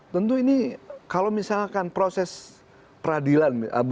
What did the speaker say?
tentu ini kalau misalkan proses peradilan